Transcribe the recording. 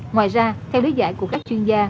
ngoài ra theo đối giải của các chuyên gia